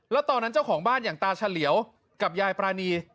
แล้วตอนนั้นเจ้าของบ้านอย่างตาเฉลียวกับยายปรานี